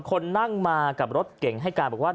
คนนั่งมากับรถเก่งให้การบอกว่า